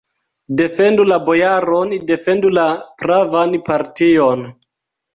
Defendu la bojaron, defendu la pravan partion!